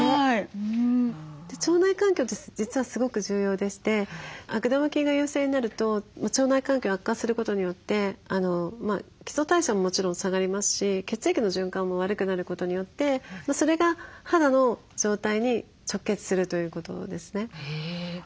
腸内環境って実はすごく重要でして悪玉菌が優勢になると腸内環境悪化することによって基礎代謝ももちろん下がりますし血液の循環も悪くなることによってそれが肌の状態に直結するということですね。